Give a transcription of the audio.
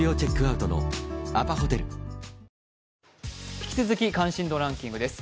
引き続き関心度ランキングです。